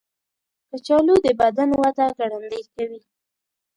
کچالو د بدن وده ګړندۍ کوي.